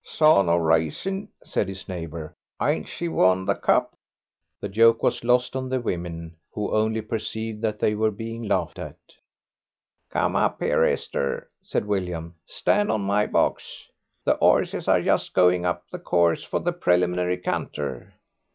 "Saw no racin'!" said his neighbour; "ain't she won the cup?" The joke was lost on the women, who only perceived that they were being laughed at. "Come up here, Esther," said William; "stand on my box. The 'orses are just going up the course for the preliminary canter.